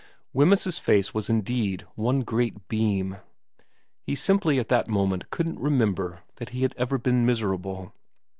Wemyss's face was indeed one great beam. He simply at that moment couldn't remember that he had ever been miserable.